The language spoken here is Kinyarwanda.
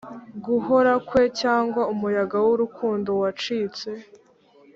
guhora kwe, cyangwa umuyaga wurukundo wacitse